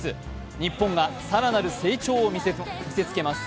日本が更なる成長を見せつけます。